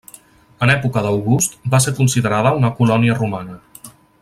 En època d'August va ser considerada una colònia romana.